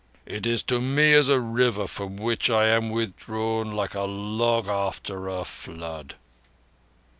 It is to me as a river from which I am withdrawn like a log after a flood."